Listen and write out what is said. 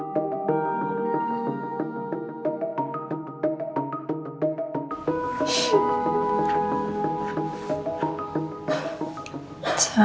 terima kasih mas